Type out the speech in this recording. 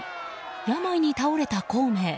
病に倒れた孔明。